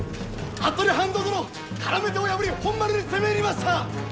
服部半蔵殿からめ手を破り本丸に攻め入りました！